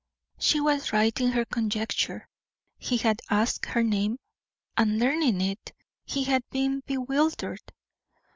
She was right in her conjecture. He had asked her name, and learning it, had been bewildered.